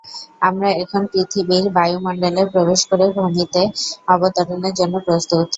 আমরা এখন পৃথিবীর বায়ুমন্ডলে প্রবেশ করে ভূমিতে অবতরণের জন্য প্রস্তুত।